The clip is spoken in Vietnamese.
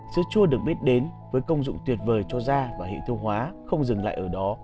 sữa chua được biết đến với công dụng tuyệt vời cho da và hệ tiêu hóa không dừng lại ở đó